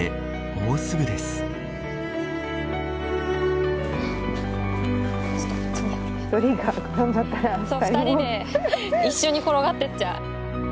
そう２人で一緒に転がってっちゃう。